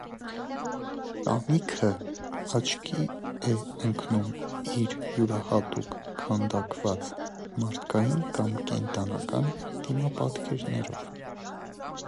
Տանիքը աչքի է ընկնում իր յուրահատուկ քանդակված մարդկային կամ կենդանական դիմապատկերներով։